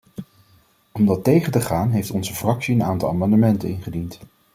Om dat tegen te gaan heeft onze fractie een aantal amendementen ingediend.